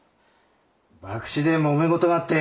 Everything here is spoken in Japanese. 博打でもめ事があって。